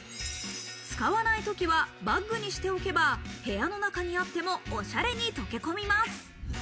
使わないときはバッグにしておけば、部屋の中にあっても、おしゃれにとけ込みます。